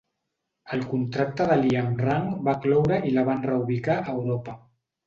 El contracte de Lee amb Rank va cloure i la van reubicar a Europa.